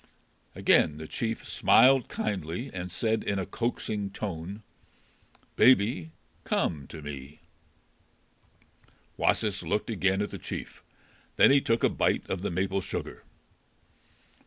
Again the chief smiled kindly and said in a coaxing tone, "Baby, come to me." Wasis looked again at the chief. Then he took a bite of the maple sugar.